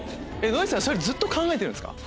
ノリさんそれずっと考えてるんですか？